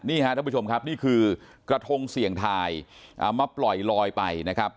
ท่านผู้ชมครับนี่คือกระทงเสี่ยงทายเอามาปล่อยลอยไปนะครับ